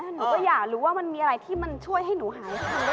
หนูก็อยากรู้ว่ามันมีอะไรที่มันช่วยให้หนูหายทันได้